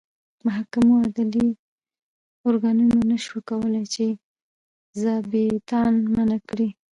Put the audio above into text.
محاکمو او عدلي ارګانونو نه شوای کولای چې ظابیطان منع کړي.